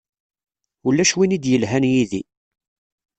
Ulac win i d-yelhan yid-i.